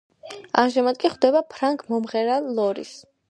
ამჟამად კი ხვდება ფრანგ მომღერალ ლორის.